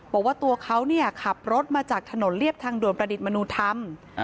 บอกว่าตัวเขาขับรถมาจากถนนเรียบทางด่วนประดิษฐ์มนุธรรม